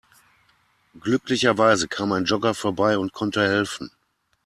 Glücklicherweise kam ein Jogger vorbei und konnte helfen.